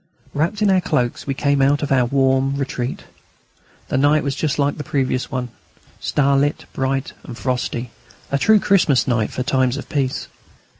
Wrapped in our cloaks, we came out of our warm retreat. The night was just like the previous one, starlit, bright, and frosty, a true Christmas night for times of peace.